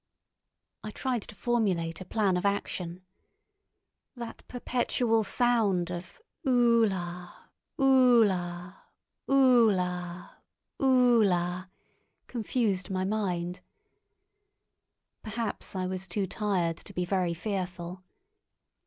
I tried to formulate a plan of action. That perpetual sound of "Ulla, ulla, ulla, ulla," confused my mind. Perhaps I was too tired to be very fearful.